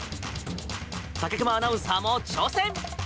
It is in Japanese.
武隈アナウンサーも挑戦。